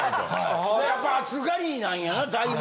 やっぱ暑がりなんやなだいぶ。